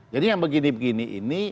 jadi yang begini begini ini